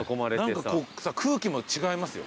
空気も違いますよ